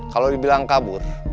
kalau dibilang kabur